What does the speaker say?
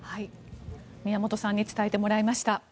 宮本さんに伝えてもらいました。